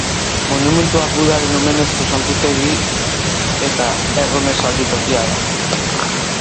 Monumentua Budaren omenezko santutegia eta erromesaldi tokia da.